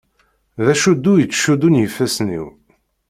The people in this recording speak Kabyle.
D acuddu i ttcuddun yifassen-iw.